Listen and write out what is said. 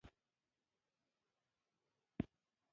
دا معلومات یقیناً د ځوان لیکوال د خپل خیال محصول دي.